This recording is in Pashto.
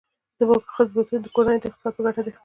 د بانک خدمتونه د کورنیو د اقتصاد په ګټه دي.